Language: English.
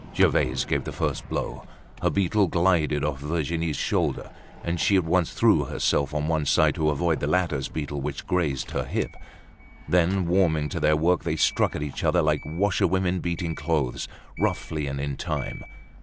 Gervaise gave the first blow. Her beetle glided off Virginie's shoulder, and she at once threw herself on one side to avoid the latter's beetle, which grazed her hip. Then, warming to their work they struck at each other like washerwomen beating clothes, roughly, and in time.